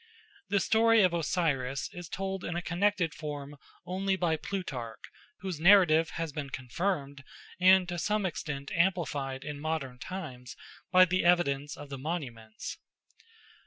The story of Osiris is told in a connected form only by Plutarch, whose narrative has been confirmed and to some extent amplified in modern times by the evidence of the monuments.